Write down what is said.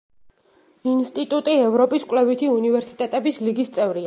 ინსტიტუტი ევროპის კვლევითი უნივერსიტეტების ლიგის წევრია.